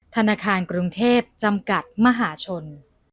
ธนาคารกรุงเทพจำกัดมหาชน